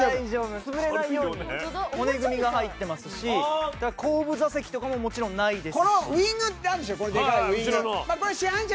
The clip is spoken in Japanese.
潰れないように骨組みが入ってますし後部座席とかももちろんないですし。